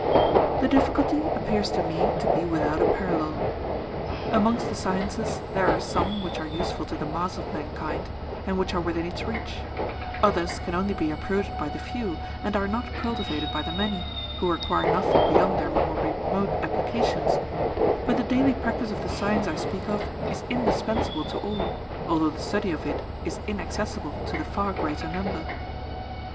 The difficulty appears to me to be without a parallel. Amongst the sciences there are some which are useful to the mass of mankind, and which are within its reach; others can only be approached by the few, and are not cultivated by the many, who require nothing beyond their more remote applications: but the daily practice of the science I speak of is indispensable to all, although the study of it is inaccessible to the far greater number.